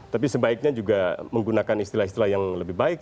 tapi sebaiknya juga menggunakan istilah istilah yang lebih baik